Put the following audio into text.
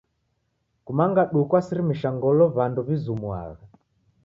Kumanga duu kwasirimisha ngolo w'andu w'izumuagha.